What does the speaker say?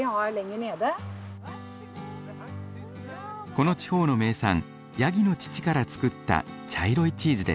この地方の名産ヤギの乳から作った茶色いチーズです。